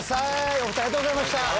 お２人ありがとうございました。